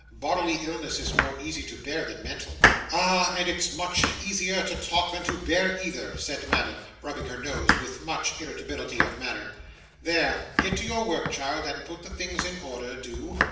'Bodily illness is more easy to bear than mental.' 'Ah! and it's much easier to talk than to bear either,' said Madame, rubbing her nose with much irritability of manner. 'There, get to your work, child, and put the things in order, do.